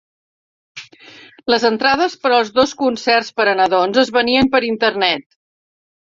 Les entrades per als dos Concerts per a nadons es venien per internet.